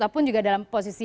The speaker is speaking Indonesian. ataupun juga dalam posisi